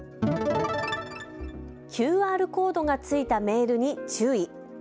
ＱＲコードが付いたメールに注意。